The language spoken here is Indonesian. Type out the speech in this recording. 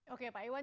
oke pak iwan